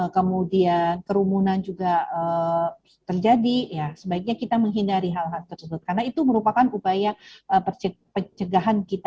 kemudian kerumunan juga terjadi ya sebaiknya kita menghindari hal hal tersebut karena itu merupakan upaya pencegahan kita